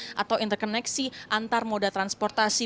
di atas ini terdapat transportasi terkait moda transportasi